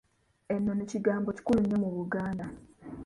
Ennono kigambo kikulu nnyo mu Buganda.